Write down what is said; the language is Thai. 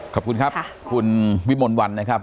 ขอบคุณครับคุณวิมลวันนะครับ